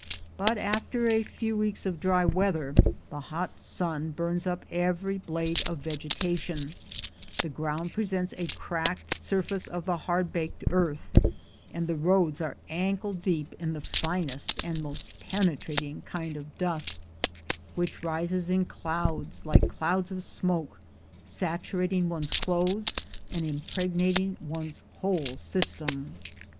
But after a few weeks of dry weather the hot sun bums up every blade of vegetation, the ground presents a cracked surface of hard baked earth, and the roads are ankle deep in the finest and most penetrating kind of dust, OFF FOR THE MINES 113 which rises in clouds like clouds of smoke, saturating one's clothes, and impregnating one's whole system.